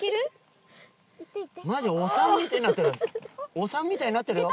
お産みたいになってるよ。